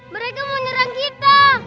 mereka mau nyerang kita